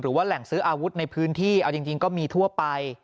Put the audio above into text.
หรือว่าแหล่งซื้ออาวุธในพื้นที่เอาจริงก็มีทั่วไป